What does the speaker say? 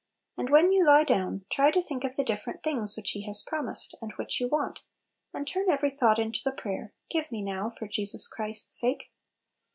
And when you lie down, try to think of the differ x ent things which He has promised, and which you want, and turn every thought into the prayer, " Give me now — for Je bus Christ's sake."